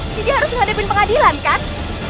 jadi harus menghadapin pengadilan kan